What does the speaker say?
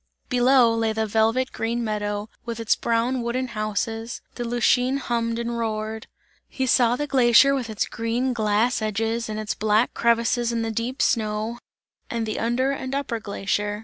Below lay the velvet green meadow, with its brown wooden houses, the Lütschine hummed and roared. He saw the glacier with its green glass edges and its black crevices in the deep snow, and the under and upper glacier.